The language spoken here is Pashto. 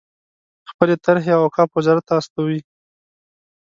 خپلې طرحې اوقافو وزارت ته استوي.